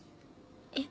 えっ？